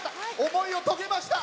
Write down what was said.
思いを遂げました。